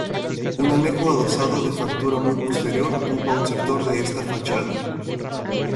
Un anejo adosado de factura muy posterior ocupa un sector de esta fachada.